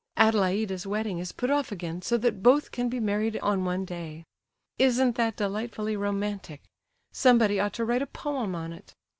Adelaida's wedding is put off again, so that both can be married on one day. Isn't that delightfully romantic? Somebody ought to write a poem on it.